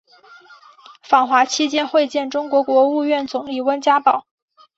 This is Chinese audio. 访华期间会见中国国务院总理温家宝。